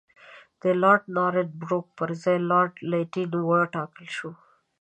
د لارډ نارت بروک پر ځای لارډ لیټن وټاکل شو.